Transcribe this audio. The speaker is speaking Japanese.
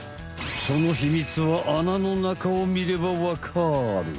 そのヒミツは穴の中をみればわかる。